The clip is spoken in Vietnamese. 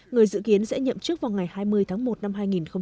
người dự kiến sẽ nhậm trước vào ngày hai mươi tháng một năm hai nghìn hai mươi một